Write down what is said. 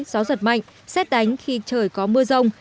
gió giật mạnh xét đánh khi trời có mưa rông